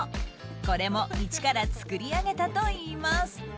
これも一から作り上げたといいます。